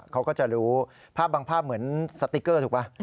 เขาก็จะรู้ภาพบางภาพเหมือนสติ๊กเกอร์ถูกป่ะ